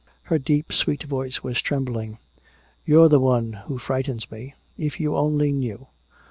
Her deep sweet voice was trembling. "You're the one who frightens me. If you only knew!